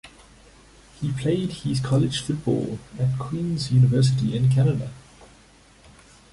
He played his college football at Queen's University in Canada.